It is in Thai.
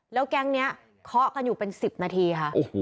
แล้วแก๊งนี้เคาะกันอยู่เป็น๑๐นาทีค่ะ